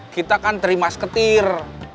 kita kan terima seketir